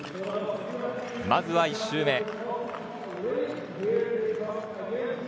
まずは１周目。